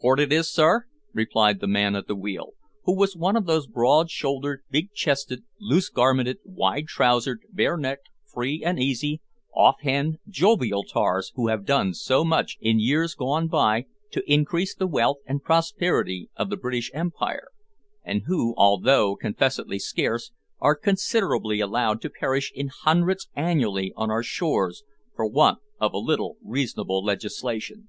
"Port it is, sir," replied the man at the wheel, who was one of those broad shouldered, big chested, loose garmented, wide trousered, bare necked, free and easy, off hand jovial tars who have done so much, in years gone by, to increase the wealth and prosperity of the British Empire, and who, although confessedly scarce, are considerately allowed to perish in hundreds annually on our shores for want of a little reasonable legislation.